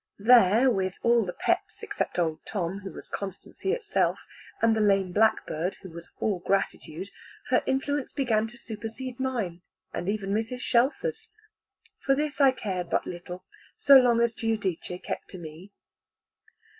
There, with all the pets, except old Tom, who was constancy itself, and the lame blackbird who was all gratitude, her influence began to supersede mine, and even Mrs. Shelfer's; for this I cared but little, so long as Giudice kept to me.